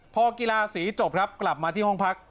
พอกีฬาสีจบครับกลับมาที่ห้องพัก